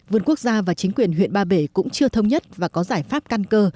vườn quốc gia và chính quyền huyện ba bể cũng chưa thông nhất và có giải pháp căn cơ